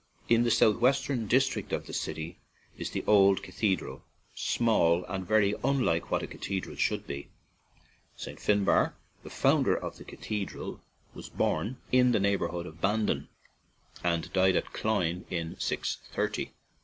In the south western district of the city is the old cathe dral, small and very unlike what a cathe dral should be. St. Fin Barre, the founder of the cathedral, was born in the neigh borhood of Bandon, and died at Cloyne in 630.